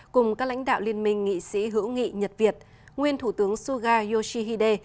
cùng các lãnh đạo liên minh nghị sĩ hữu nghị nhật việt nguyên thủ tướng suga yoshihide